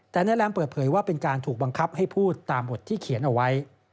แต่นายแรมเปิดเผยว่าเป็นการถูกบังคับให้พูดตามบทที่เขียนเอาไว้